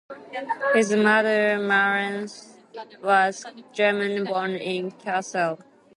His mother, Marlene, was German, born in Kassel.